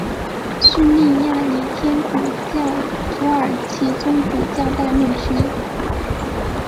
叙利亚礼天主教土耳其宗主教代牧区。